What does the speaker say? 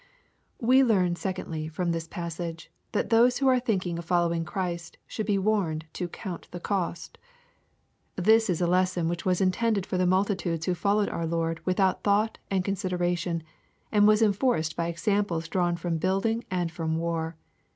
We learn secondly, from this passage, that those who are thinking of following Christ should he warned to " count the cost" This is a lesson which was intended for the multitudes who followed our Lord without thought and consideration, and was enforced by examples drawn from building and from war.